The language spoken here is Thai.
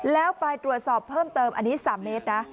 แล้วไปตรวจสอบเพิ่มเติมอันนี้๓เมตรนะ